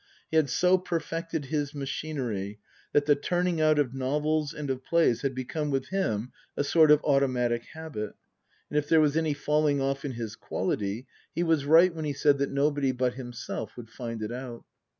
He had so perfected his machinery that the turning out of novels and of plays had become with him a sort of automatic habit, and if there was any falling off in his quality he was right when he said that nobody but him self would find it out.